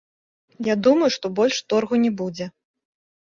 Я думаю, што больш торгу не будзе.